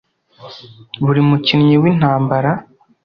Buri mukinnyi wintambara